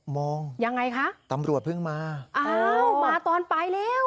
๖มองตำรวจเพิ่งมาอ้าวมาตอนไปแล้ว